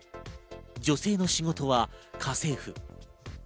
女性の仕事は家政婦。